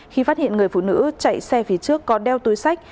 khi phát hiện người phụ nữ chạy xe phía trước có đeo túi sách